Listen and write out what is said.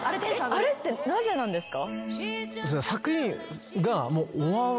あれってなぜなんですか？